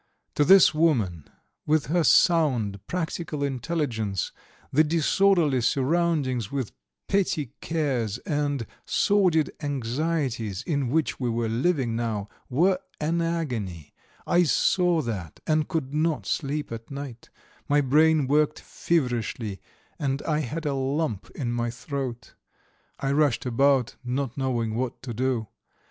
To this woman, with her sound, practical intelligence, the disorderly surroundings with petty cares and sordid anxieties in which we were living now were an agony: I saw that and could not sleep at night; my brain worked feverishly and I had a lump in my throat. I rushed about not knowing what to do.